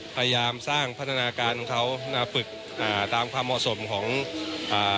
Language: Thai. พยายามสร้างพัฒนาการของเขานะฝึกอ่าตามความเหมาะสมของอ่า